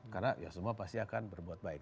karena ya semua pasti akan berbuat baik